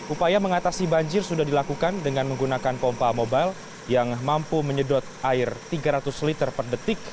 upaya mengatasi banjir sudah dilakukan dengan menggunakan pompa mobile yang mampu menyedot air tiga ratus liter per detik